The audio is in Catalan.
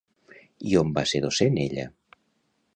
I on va ser docent ella?